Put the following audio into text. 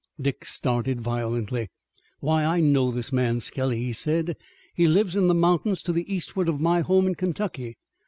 Dick started violently. "Why, I know this man Skelly," he said. "He lives in the mountains to the eastward of my home in Kentucky.